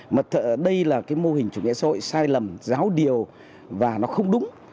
mà đây là cái mô hình chủ nghĩa xã hội sai lầm giáo điều và nó không đúng